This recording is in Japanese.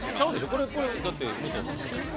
これこれだって武藤さんでしょだって。